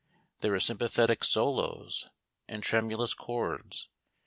There were sympathetic solos and tremulous chords.